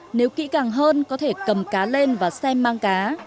ngoài ra nếu kỹ càng hơn có thể cầm cá lên và xem mang cá